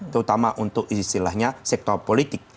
terutama untuk istilahnya sektor politik